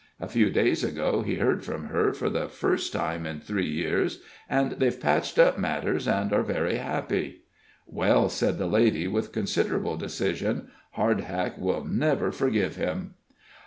A few days ago he heard from her, for the first time in three years, and they've patched up matters, and are very happy." "Well," said the lady, with considerable decision, "Hardhack will never forgive him."